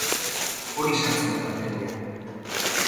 Hori sartzen da cateringean.